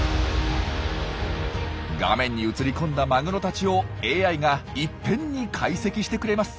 画面に映り込んだマグロたちをＡＩがいっぺんに解析してくれます。